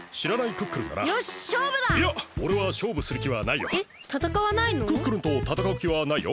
クックルンとたたかうきはないよ？